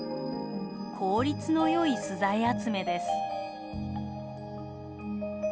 効率の良い巣材集めです。